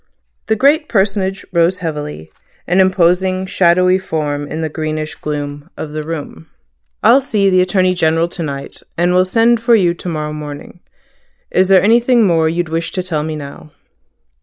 The great personage rose heavily, an imposing shadowy form in the greenish gloom of the room. "I'll see the Attorney General to night, and will send for you to morrow morning. Is there anything more you'd wish to tell me now?"